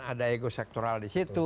ada ego sektoral di situ